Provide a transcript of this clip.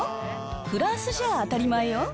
フランスじゃ、当たり前よ。